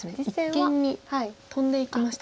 一間にトンでいきました。